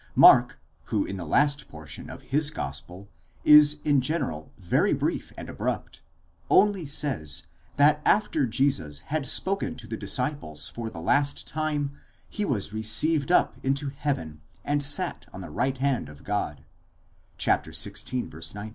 Mark, who in the last portion of his. gospel is in general very brief and abrupt, only says, that after Jesus had spoken to the disciples for the last time, he was received up (ἀνελήφθη) into heaven and sat on the right hand of God (xvi. 19).